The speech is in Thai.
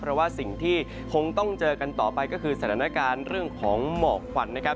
เพราะว่าสิ่งที่คงต้องเจอกันต่อไปก็คือสถานการณ์เรื่องของหมอกควันนะครับ